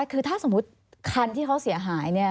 คือถ้าสมมุติคันที่เขาเสียหายเนี่ย